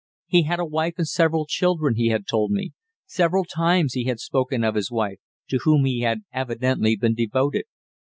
He had a wife and several children, he had told me several times he had spoken of his wife, to whom he had evidently been devoted.